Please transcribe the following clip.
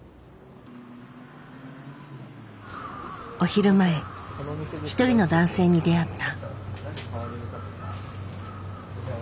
お昼前一人の男性に出会った。